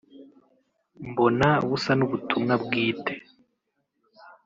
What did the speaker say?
Mbona busa n’ubutumwa bwite